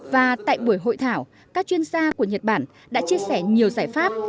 và tại buổi hội thảo các chuyên gia của nhật bản đã chia sẻ nhiều giải pháp